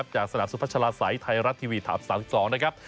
จากสนามสุพัชลาศัยไทยรัฐทีวีถาม๓๒นะครับ